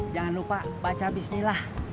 jangan lupa baca bismillah